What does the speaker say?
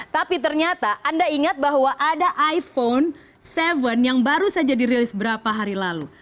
tapi ternyata anda ingat bahwa ada iphone tujuh yang baru saja dirilis berapa hari lalu